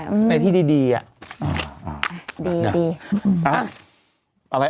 ในที่ดีน่ะ